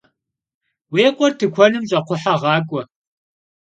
Vui khuer tıkuenım ş'akxhuehe ğak'ue.